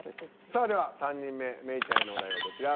さあでは３人目芽郁ちゃんへのお題はこちら。